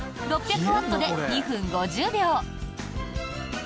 ６００ワットで２分５０秒。